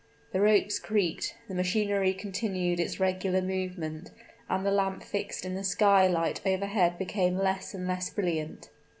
The ropes creaked the machinery continued its regular movement, and the lamp fixed in the skylight overhead became less and less brilliant.